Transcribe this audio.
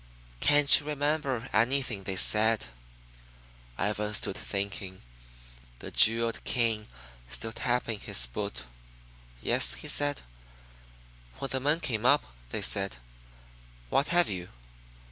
"Can't you remember anything they said?" Ivan stood thinking, the jeweled cane still tapping his boot. "Yes," he said, "when the men came up, they said, 'What have you?'